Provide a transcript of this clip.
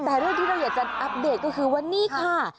แต่ต่อว่าที่เราอยากจะอัปเดตคือว่านี่ค่ะ